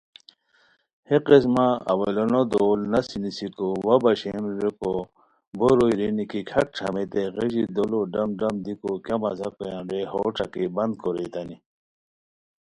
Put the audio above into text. ہے قسمہ اولانو دول نسی نیسیکو وا باشئیم ریکو بو روئے رینی کی کھاک ݯامئیتائے غیژی دولو ڈم ڈم دیکو کیہ مزہ کویان رے ہوݯاکئے بند کورئیتانی